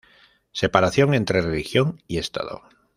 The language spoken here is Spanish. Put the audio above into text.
Separación entre religión y estado.